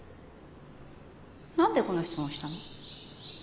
何でこの質問したの？